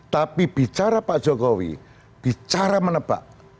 tapi bicara pak jokowi bicara menebak